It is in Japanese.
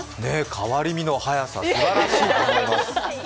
変わり身の早さ、すばらしいと思います。